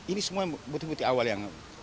ini semua butuh butuh awal yang